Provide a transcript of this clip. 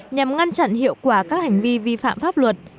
nhằm ngăn chặn hiệu quả các hành vi vi phạm pháp luật